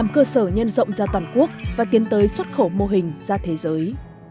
cơ sở nhân rộng ra toàn quốc và tiến tới xuất khẩu mô hình ra thế giới